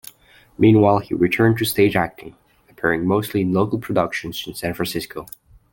Meanwhile, he returned to stage acting, appearing mostly in local productions in San Francisco.